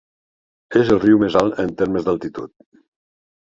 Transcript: És el riu més alt en termes d'altitud.